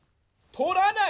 とらない！